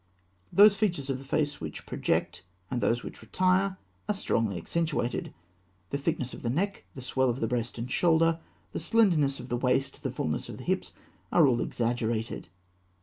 Those features of the face which project, and those which retire, are strongly accentuated. The thickness of the neck, the swell of the breast and shoulder, the slenderness of the waist, the fulness of the hips, are all exaggerated.